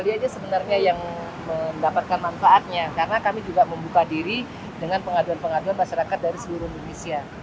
dia aja sebenarnya yang mendapatkan manfaatnya karena kami juga membuka diri dengan pengaduan pengaduan masyarakat dari seluruh indonesia